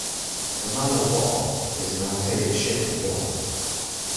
A Man o’ War is an archaic ship of war.